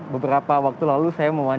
beberapa waktu lalu saya memanfaatkan